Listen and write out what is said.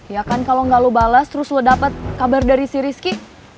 ya kan kalau nggak lo balas terus lo dapat kabar dari si rizky